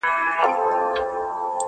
o سوځېدل هم بې حکمته بې کماله نه دي یاره,